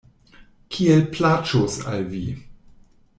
Kiel plaĉos al vi.